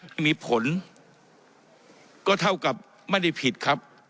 ที่มีผลก็เท่ากับไม่ได้ผิดครับ